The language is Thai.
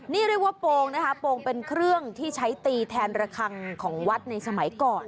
นี่เรียกว่าโปรงนะคะโปรงเป็นเครื่องที่ใช้ตีแทนระคังของวัดในสมัยก่อน